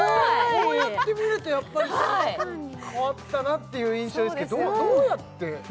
こうやって見るとやっぱりすごく変わったなっていう印象ですけどどうやって？